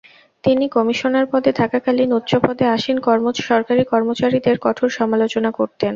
তিনি কমিশনার পদে থাকাকালীন উচ্চপদে আসীন সরকারী কর্মচারীদের কঠোর সমালোচনা করতেন।